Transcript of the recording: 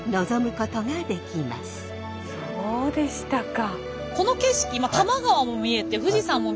そうでしたか。